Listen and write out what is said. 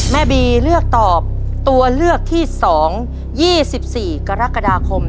แม่บีเลือกตอบตัวเลือกที่๒๒๔กรกฎาคม